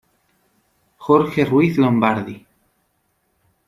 Jorge Ruíz Lombardi.